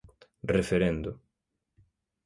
Referendo.